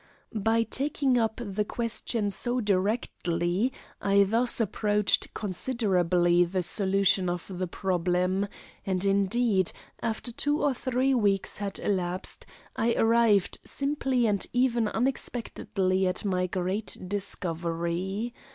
By taking up the question so directly I thus approached considerably the solution of the problem; and indeed, after two or three weeks had elapsed I arrived simply and even unexpectedly at my great discovery.